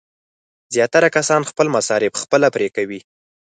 زیاتره کسان خپل مصارف خپله پرې کوي.